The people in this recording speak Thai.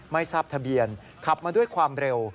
ไม่ทราบทะเบียนขับมาด้วยความเร็ว